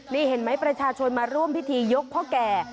นี่เห็นไหมประชาชนมาร่วมพิธียกพ่อแก่